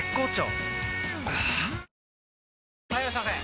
はぁ・はいいらっしゃいませ！